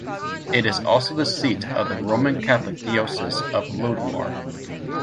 It is also the seat of the Roman Catholic Diocese of Lodwar.